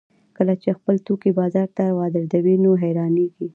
کله چې خپل توکي بازار ته واردوي نو حیرانېږي